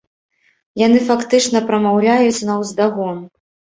Яны фактычна прамаўляюць наўздагон.